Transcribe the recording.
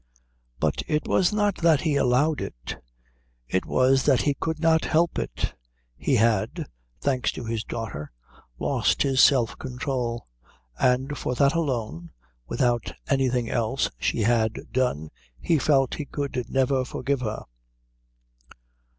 But it was not that he allowed it: it was that he could not help it. He had, thanks to his daughter, lost his self control, and for that alone, without anything else she had done, he felt he could never forgive her.